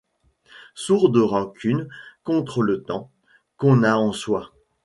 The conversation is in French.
Sourde rancune contre le temps, qu’on a en soi.